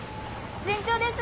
順調です！